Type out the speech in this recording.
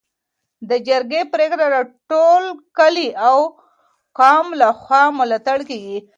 د جرګې پریکړه د ټول کلي او قوم لخوا ملاتړ کيږي.